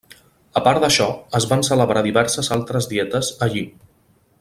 A part d'això, es van celebrar diverses altres dietes allí.